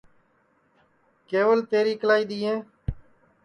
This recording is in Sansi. کیول تیری اِکلائی دؔیں